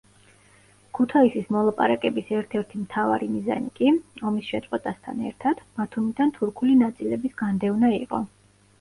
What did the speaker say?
ქუთაისის მოლაპარაკების ერთ-ერთი მთავარი მიზანი კი, ომის შეწყვეტასთან ერთად, ბათუმიდან თურქული ნაწილების განდევნა იყო.